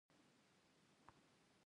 د دارچینی ګل د تودوخې لپاره وکاروئ